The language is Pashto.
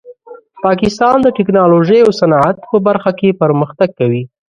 پاکستان د ټیکنالوژۍ او صنعت په برخه کې پرمختګ کوي.